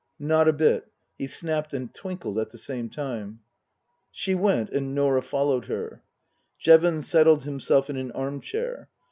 Not a bit." He snapped and twinkled at the same time. She went, and Norah followed her. Jevons settled himself in an armchair.